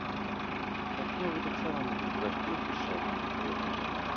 Партнёры таксама могуць браць прозвішча адзін другога.